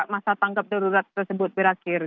masa tangkap darurat tersebut berakhir